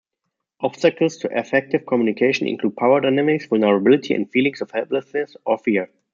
Obstacles to effective communication include power dynamics, vulnerability, and feelings of helplessness or fear.